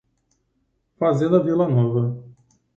Fazenda Vilanova